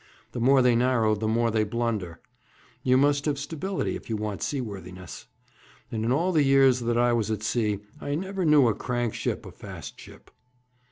The more they narrow, the more they blunder. You must have stability if you want seaworthiness. And in all the years that I was at sea I never knew a crank ship a fast ship.'